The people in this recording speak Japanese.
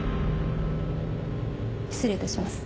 失礼いたします。